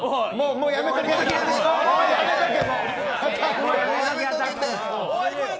もうやめとけ。